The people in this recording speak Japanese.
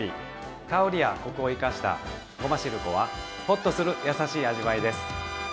香りやコクを生かしたごましるこはほっとする優しい味わいです。